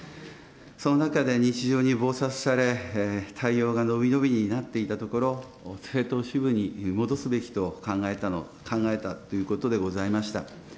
その中で、日常に忙殺され、対応が延び延びになっていたところ、政党支部に戻すべきと考えたとのことでございました。